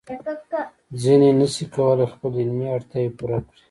ځینې نشي کولای خپل علمي اړتیاوې پوره کړي.